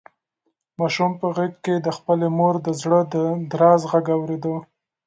ماشوم په غېږ کې د خپلې مور د زړه د درزا غږ اورېده.